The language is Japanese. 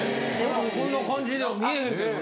そんな感じには見えへんけどね。